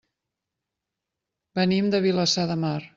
Venim de Vilassar de Mar.